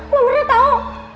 mbak pernah tau